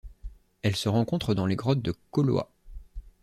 Elle se rencontre dans les grottes de Koloa.